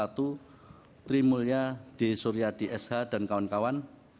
satu tri mulya d surya d sh dan kawan kawan